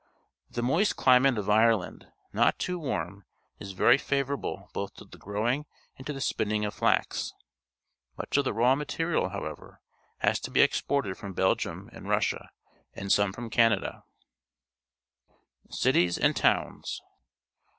The moist cliniate of Ireland, not too warm, is very favourable both to the grow ing and to the spinning of flax. Much of the raw material, however, hasltoT^elmported from Belgium arid Russia, and some from CapadaT Cities and Towns.